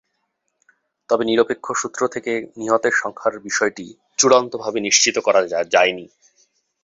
তবে নিরপেক্ষ সূত্র থেকে নিহতের সংখ্যার বিষয়টি চূড়ান্তভাবে নিশ্চিত করা যায়নি।